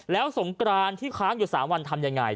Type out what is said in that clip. แล้วสงกรานที่ค้างอยู่๓วันทำยังไง